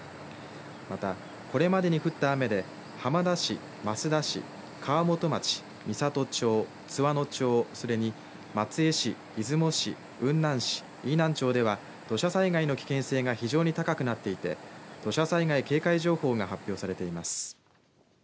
また、これまでに降った雨で浜田市、益田市川本町、美郷町津和野町それに松江市出雲市雲南市、飯南町では土砂災害の危険性が非常に高くなっていて土砂災害警戒情報が発表されています。